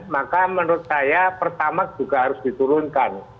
maka menurut saya pertamak juga harus diturunkan